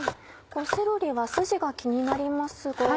セロリはスジが気になりますが。